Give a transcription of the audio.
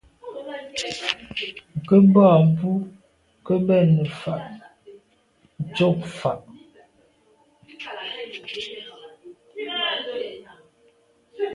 Nku boa mbu ke bèn nefà’ tshob fà’.